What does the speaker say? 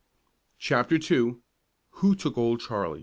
CHAPTER II. WHO TOOK OLD CHARLIE?